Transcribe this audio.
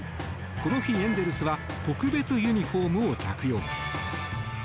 この日、エンゼルスは特別ユニホームを着用。